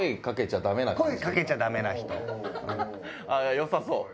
良さそう。